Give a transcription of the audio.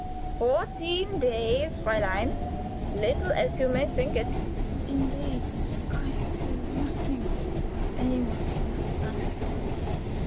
"Fourteen days, Fräulein; little as you may think it." "Indeed! I have heard nothing about any one in that time.